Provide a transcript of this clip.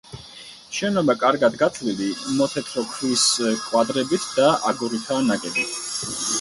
შენობა კარგად გათლილი, მოთეთრო ქვის კვადრებით და აგურითაა ნაგები.